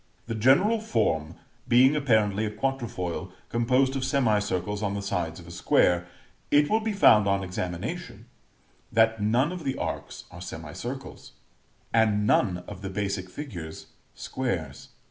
The general form being apparently a quatrefoil composed of semicircles on the sides of a square, it will be found on examination that none of the arcs are semicircles, and none of the basic figures squares.